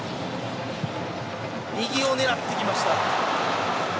右を狙ってきました。